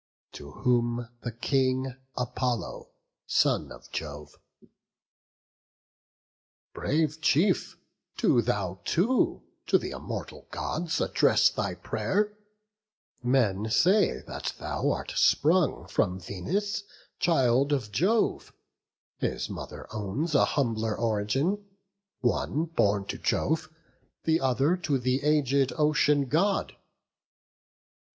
To whom the King Apollo, son of Jove: "Brave chief, do thou too to th' immortal Gods Address thy pray'r; men say that thou art sprung From Venus, child of Jove; his mother owns A humbler origin; one born to Jove, The other to the aged Ocean God.